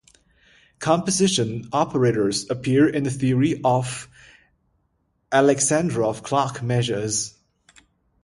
Composition operators appear in the theory of Aleksandrov-Clark measures.